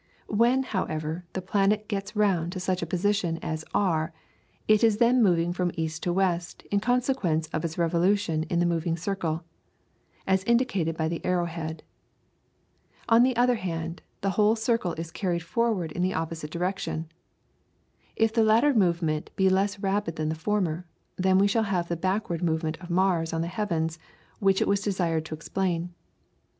When, however, the planet gets round to such a position as R, it is then moving from east to west in consequence of its revolution in the moving circle, as indicated by the arrow head. On the other hand, the whole circle is carried forward in the opposite direction. If the latter movement be less rapid than the former, then we shall have the backward movement of Mars on the heavens which it was desired to explain.